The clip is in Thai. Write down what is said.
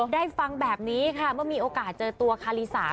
ได้ฟังแบบนี้ค่ะเมื่อมีโอกาสเจอตัวคารีสา